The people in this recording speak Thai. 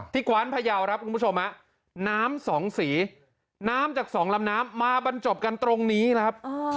กว้านพยาวครับคุณผู้ชมน้ำสองสีน้ำจากสองลำน้ำมาบรรจบกันตรงนี้ครับ